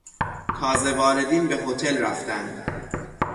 تازه واردین به هتل رفتند.